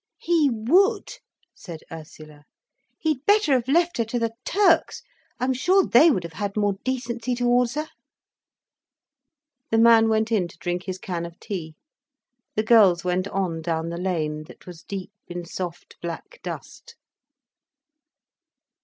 "He would!" said Ursula. "He'd better have left her to the Turks, I'm sure they would have had more decency towards her." The man went in to drink his can of tea, the girls went on down the lane, that was deep in soft black dust.